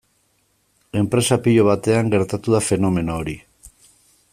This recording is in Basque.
Enpresa pilo batean gertatu da fenomeno hori.